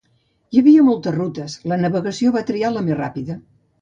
Hi havia moltes rutes, la navegació va triar la més ràpida.